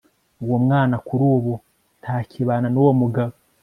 uwo mwana kuri ubu ntakibana n'uwo mugabo